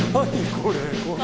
これ。